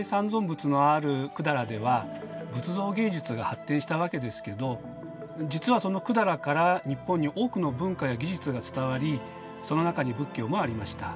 仏のある百済では仏像芸術が発展したわけですけど実はその百済から日本に多くの文化や技術が伝わりその中に仏教もありました。